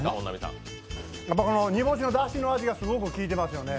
煮干しのだしの味がすごく効いていますよね。